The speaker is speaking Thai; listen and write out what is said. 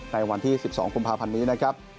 ในวันที่๑๒กุมภาพันธ์นี้นะครับ